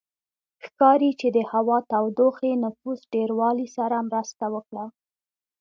ښکاري چې د هوا تودوخې نفوس ډېروالي سره مرسته وکړه